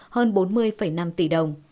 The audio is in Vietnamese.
hơn bốn mươi năm tỷ đồng